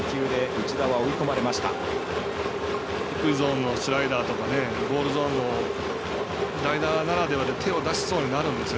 低いゾーンのスライダーとかボールゾーンも代打ならではで手を出しそうになるんですよ。